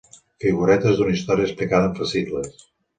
Figuretes d'una història explicada en fascicles.